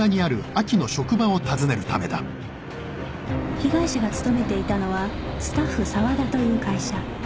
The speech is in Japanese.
被害者が勤めていたのはスタッフ ＳＡＷＡＤＡ という会社